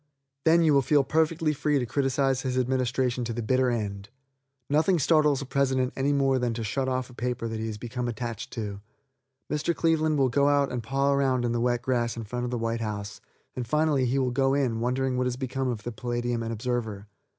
Then you will feel perfectly free to criticise his administration to the bitter end. Nothing startles a president any more than to shut off a paper that he has become attached to. Mr. Cleveland will go out and paw around in the wet grass in front of the white house, and finally he will go in, wondering what has become of the Palladium and Observer.